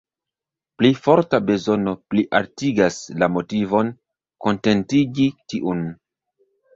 Pli forta bezono plialtigas la motivon kontentigi tiun.